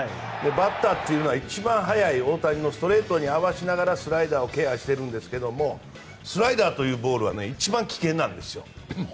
バッターというのは一番速い大谷のストレートに合わせながらスライダーをケアしているんですがスライダーというボールは一番危険なんですよ。